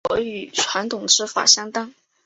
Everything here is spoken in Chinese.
效果与传统制法相当。